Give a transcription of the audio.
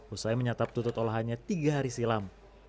usai menyatap tutut olahannya tiga hari silam